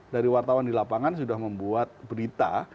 dari wartawan di lapangan sudah membuat berita